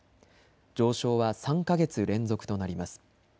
上昇は３か月連続となります。